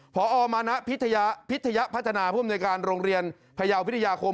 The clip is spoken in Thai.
พอมณภิทยาพัฒนาภูมิในการโรงเรียนพภิทยาคม